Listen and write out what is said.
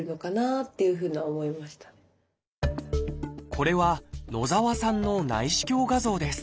これは野澤さんの内視鏡画像です。